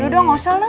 duh udah gak usah lah